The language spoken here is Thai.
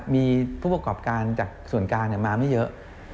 มีผู้ประกอบการจากส่วนกลางมาไม่เยอะ